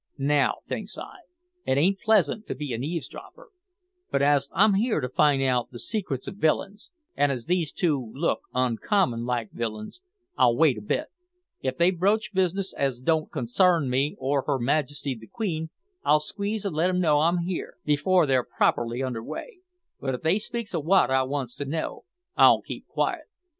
Now, thinks I, it ain't pleasant to be an eavesdropper, but as I'm here to find out the secrets of villains, and as these two look uncommon like villains, I'll wait a bit; if they broach business as don't consarn me or her Majesty the Queen, I'll sneeze an' let 'em know I'm here, before they're properly under weigh; but if they speaks of wot I wants to know, I'll keep quiet.